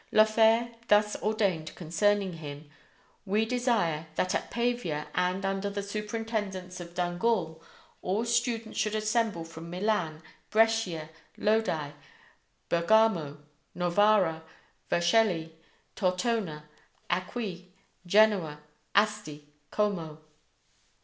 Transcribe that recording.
Lothair thus ordained concerning him: "We desire that at Pavia, and under the superintendence of Dungal, all students should assemble from Milan, Brescia, Lodi, Bergamo, Novara, Vercelli, Tortona, Acqui, Genoa, Asti, Como."